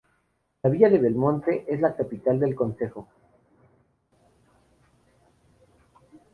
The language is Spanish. La villa de Belmonte es la capital del concejo.